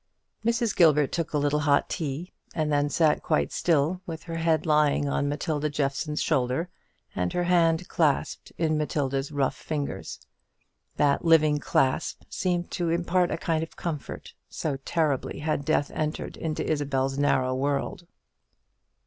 Mrs. Gilbert took a little of the hot tea, and then sat quite still, with her head lying on Matilda Jeffson's shoulder, and her hand clasped in Matilda's rough fingers. That living clasp seemed to impart a kind of comfort, so terribly had death entered into Isabel's narrow world.